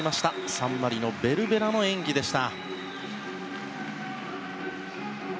サンマリノ、ベルベナの演技でした。